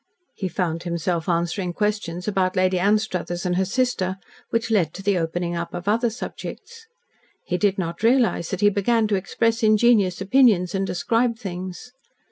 He found himself answering questions about Lady Anstruthers and her sister, which led to the opening up of other subjects. He did not realise that he began to express ingenuous opinions and describe things.